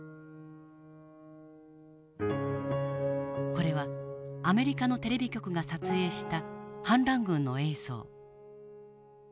これはアメリカのテレビ局が撮影した反乱軍の映像。